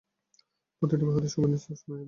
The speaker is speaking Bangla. প্রতিটি বাহুতে সুবিন্যস্ত সন্ন্যাসীদের কক্ষ রয়েছে।